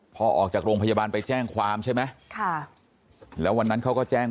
พอออกจากโรงพยาบาลไปแจ้งความใช่ไหมค่ะแล้ววันนั้นเขาก็แจ้ง